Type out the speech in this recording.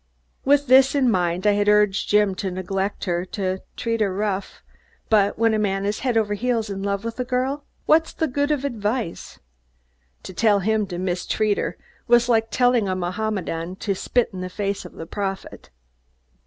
With this in mind, I had urged Jim to neglect her, to "treat her rough," but when a man is head over heels in love with a girl, what's the good of advice? To tell him to mistreat her was like telling a Mohammedan to spit in the face of the prophet.